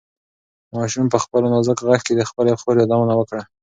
ماشوم په خپل نازک غږ کې د خپلې خور یادونه وکړه.